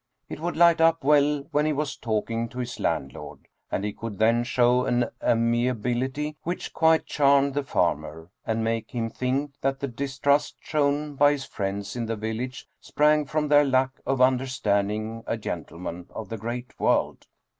It would light up well when he was talking to his landlord, and he could then show an amiability which quite charmed the farmer, and make him think that the distrust shown by his friends in the village sprang from their lack of understanding a gen tleman of the great world.